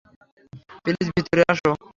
Please ভিতরে আসো।